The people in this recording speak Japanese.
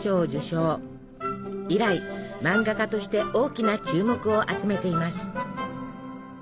以来漫画家として大きな注目を集めています。